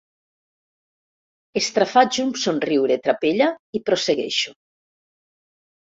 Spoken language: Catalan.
Estrafaig un somriure trapella i prossegueixo.